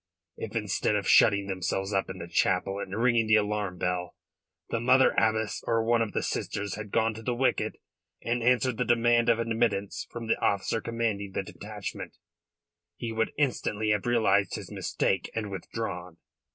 If instead of shutting themselves up in the chapel and ringing the alarm bell the Mother Abbess or one of the sisters had gone to the wicket and answered the demand of admittance from the officer commanding the detachment, he would instantly have realised his mistake and withdrawn."